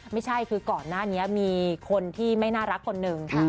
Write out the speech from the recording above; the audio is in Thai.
ไม่ใช่คือก่อนหน้านี้มีคนที่ไม่น่ารักคนหนึ่ง